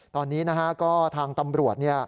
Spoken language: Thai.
ตอนนี้นะฮะก็ทางตำรวจ